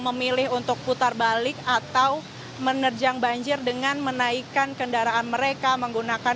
memilih untuk putar balik atau menerjang banjir dengan menaikkan kendaraan mereka menggunakan